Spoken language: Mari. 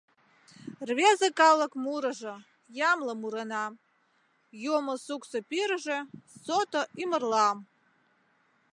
Рвезе калык мурыжо Ямле мурынам, Юмо-суксо пӱрыжӧ Сото ӱмырлам.